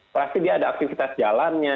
pasti dia ada aktivitas jalannya